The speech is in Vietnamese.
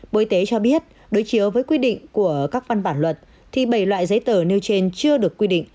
bộ y tế cho biết đối chiếu với quy định của các văn bản luật thì bảy loại giấy tờ nêu trên chưa được quy định